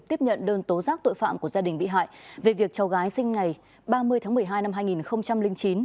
tiếp nhận đơn tố giác tội phạm của gia đình bị hại về việc cháu gái sinh ngày ba mươi tháng một mươi hai năm hai nghìn chín